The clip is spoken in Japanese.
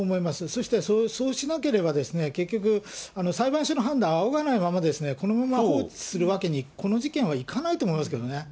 そして、そうしなければ、結局、裁判所の判断を仰がないまま、このまま放置するわけに、この事件はいかないと思いますけどね。